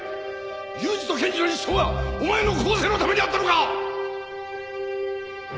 雄司と賢二の一生はお前の更生のためにあったのか！！